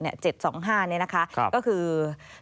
๗๒๕นี่นะคะก็คือ